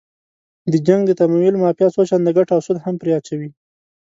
د جنګ د تمویل مافیا څو چنده ګټه او سود هم پرې اچوي.